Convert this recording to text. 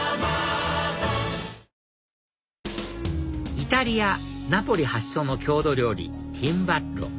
イタリアナポリ発祥の郷土料理ティンバッロ